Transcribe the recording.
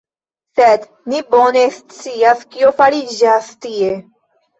Sed ni bone scias, kio fariĝas tie.